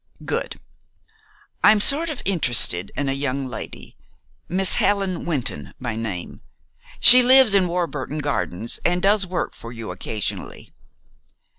"Good. I'm sort of interested in a young lady, Miss Helen Wynton by name. She lives in Warburton Gardens, and does work for you occasionally.